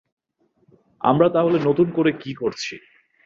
আমরা তাহলে নতুন করে কী করছি?